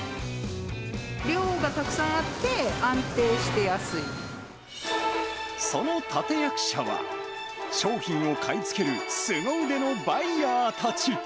量がたくさんあって、安定しその立て役者は、商品を買い付けるすご腕のバイヤーたち。